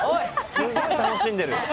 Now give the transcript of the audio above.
すごい楽しんでる。